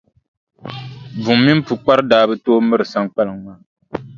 Buŋa mini Pukpara daa bi tooi miri Saŋkpaliŋ maa.